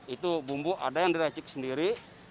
itu bumbu ada yang direcik sendiri